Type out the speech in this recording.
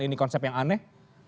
ini konsep yang aneh